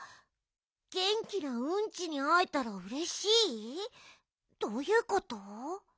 げんきなうんちにあえたらうれしい？どういうこと？